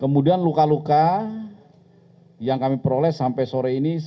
kemudian luka luka yang kami peroleh sampai soal keadaan kesehatan itu